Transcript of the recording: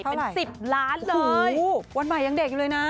เป็น๑๐ล้านเลยโอ้โฮวันใหม่ยังเด็กนี่เลยนะ